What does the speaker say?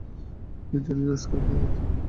জানিনা আজকাল কী হচ্ছে এসব।